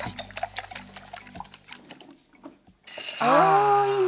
おいいね。